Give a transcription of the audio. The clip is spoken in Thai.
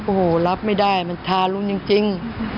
โอ้โหรับไม่ได้มันทารุณจริง